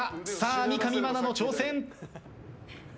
三上真奈の挑戦。